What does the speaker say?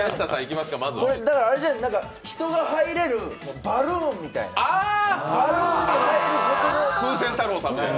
人が入れるバルーンみたいな？